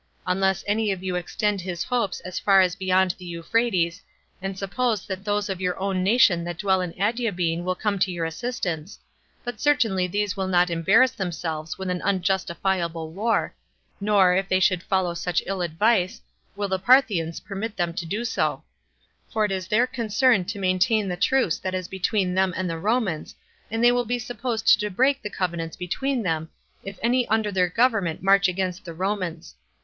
Unless any of you extend his hopes as far as beyond the Euphrates, and suppose that those of your own nation that dwell in Adiabene will come to your assistance; but certainly these will not embarrass themselves with an unjustifiable war, nor, if they should follow such ill advice, will the Parthians permit them so to do; for it is their concern to maintain the truce that is between them and the Romans, and they will be supposed to break the covenants between them, if any under their government march against the Romans.